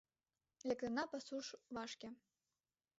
Лектына пасуш вашке.